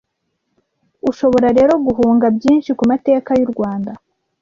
Ushobora rero guhunga byinshi kumateka y’urwanda